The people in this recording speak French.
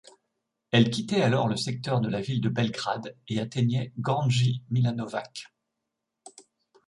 Elle quittait alors le secteur de la ville de Belgrade et atteignait Gornji Milanovac.